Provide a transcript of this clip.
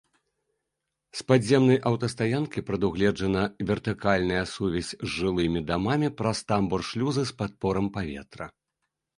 З падземнай аўтастаянкі прадугледжана вертыкальная сувязь з жылымі дамамі праз тамбур-шлюзы з падпорам паветра.